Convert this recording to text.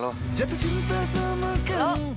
lo seriusan kan